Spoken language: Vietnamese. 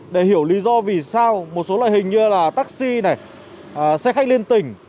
để hiểu lý do vì sao một số loại hình như là taxi xe khách liên tình